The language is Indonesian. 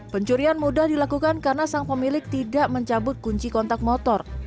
pencurian mudah dilakukan karena sang pemilik tidak mencabut kunci kontak motor